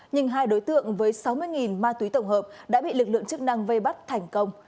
nhưng hai đối tượng với sáu mươi ma túy tổng hợp đã bị lực lượng chức năng vây bắt thành công